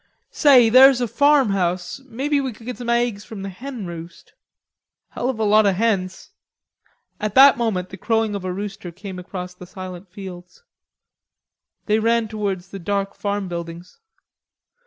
"Say, there's a farmhouse, maybe we could get some aigs from the hen roost." "Hell of a lot of hens...." At that moment the crowing of a rooster came across the silent fields. They ran towards the dark farm buildings.